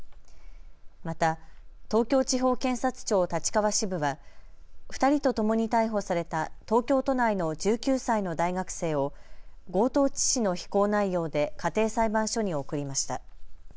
また東京地方検察庁立川支部は２人とともに逮捕された東京都内の１９歳の大学生を強盗致死の非行内容で家庭裁判所に送りました。